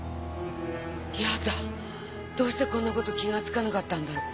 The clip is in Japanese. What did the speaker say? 嫌だどうしてこんなこと気がつかなかったんだろう。